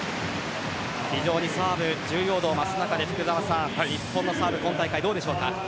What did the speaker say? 非常にサーブ、重要度を増す中で日本のサーブ今大会どうでしょうか。